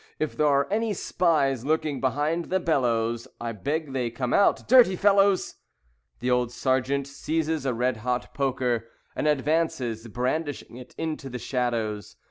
If there are any spies lurking behind the bellows, I beg they come out. Dirty fellows!" The old Sergeant seizes a red hot poker And advances, brandishing it, into the shadows.